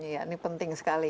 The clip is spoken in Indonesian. ya ini penting sekali